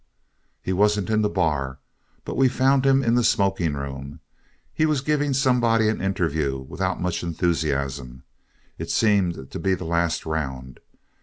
He wasn't in the bar, but we found him in the smoking room. He was giving somebody an interview without much enthusiasm. It seemed to be the last round.